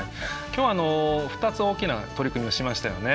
今日は２つ大きな取り組みをしましたよね。